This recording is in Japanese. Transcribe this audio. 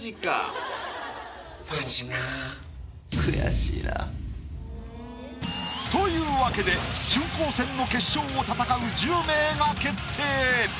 マジか。というわけで春光戦の決勝を戦う１０名が決定！